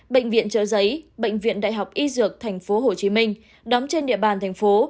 bệnh viện trợ giấy bệnh viện đại học y dược tp hcm đóng trên địa bàn thành phố